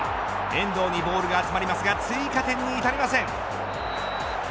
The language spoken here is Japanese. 遠藤にボールが集まりますが追加点に至りません。